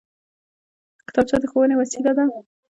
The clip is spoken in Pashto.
کتابچه د ښوونې وسېله ده